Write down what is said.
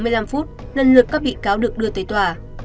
sáu h bốn mươi năm lần lượt các bị cáo được đưa tới tòa